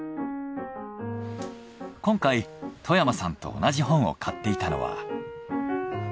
今回外山さんと同じ本を買っていたのは。